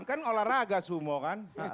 kan olahraga sumo kan